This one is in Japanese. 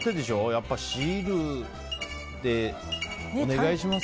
やっぱシールでお願いします。